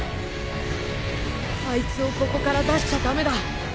あいつをここから出しちゃ駄目だ。